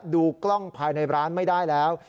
ดูกล้องภายในร้านไม่ได้แล้ว